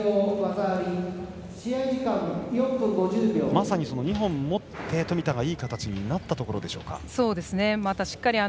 まさに、２本持って冨田がいい形になったところでしょうか。